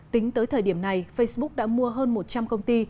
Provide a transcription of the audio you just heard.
tính tới thời điểm này facebook đã mua hơn một trăm linh công ty